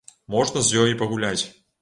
Можна з ёй і пагуляць.